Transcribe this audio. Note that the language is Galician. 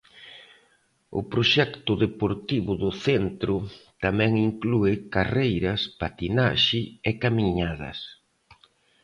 O proxecto deportivo do centro tamén inclúe carreiras, patinaxe e camiñadas.